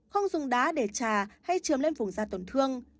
không dùng đá để trà hay trườm lên vùng da tổn thương